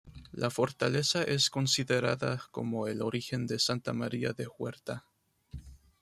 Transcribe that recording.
La fortaleza es considerada como el origen de Santa María de Huerta.